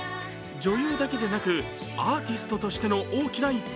女優だけでなくアーティストとしての大きな一歩。